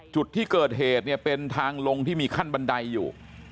จุดที่เกิดเหตุเนี่ยเป็นทางลงที่มีขั้นบันไดอยู่